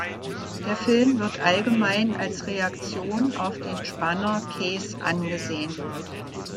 Der Film wird allgemein als Reaktion auf den Spanner Case angesehen.